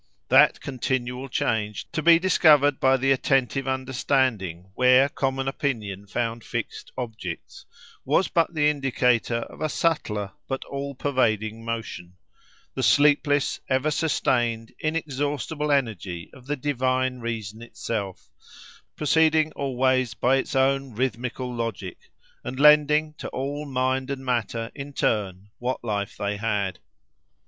That continual change, to be discovered by the attentive understanding where common opinion found fixed objects, was but the indicator of a subtler but all pervading motion—the sleepless, ever sustained, inexhaustible energy of the divine reason itself, proceeding always by its own rhythmical logic, and lending to all mind and matter, in turn, what life they had.